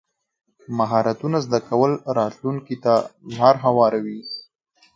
مهارتونه زده کول راتلونکي ته لار هواروي.